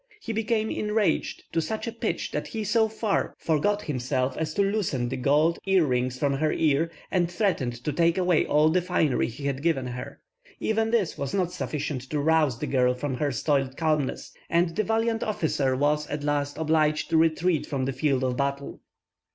He became enraged to such a pitch, that he so far forgot himself as to loosen the golden ear rings from her ears, and threatened to take away all the finery he had given her. Even this was not sufficient to rouse the girl from her stolid calmness, and the valiant officer was, at last, obliged to retreat from the field of battle.